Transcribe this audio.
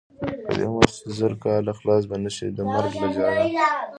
که دې عمر شي زر کاله خلاص به نشې د مرګ له جاله.